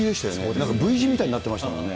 なんかＶ字みたいになってましたもんね。